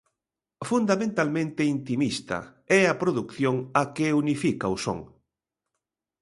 Fundamentalmente intimista, é a produción a que unifica o son.